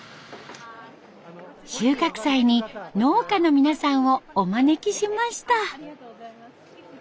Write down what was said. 収穫祭に農家の皆さんをお招きしました。